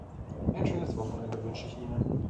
Ein schönes Wochenende wünsche ich Ihnen.